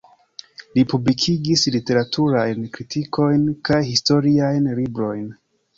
Li publikigis literaturajn kritikojn kaj historiajn librojn.